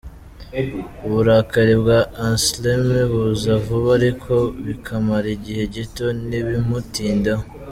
Uburakari bwa Anselme buza vuba ariko bikamara igihe gito ntibimutindeho.